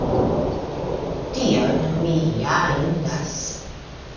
Tion mi ja indas.